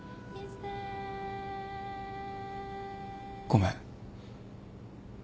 ごめん。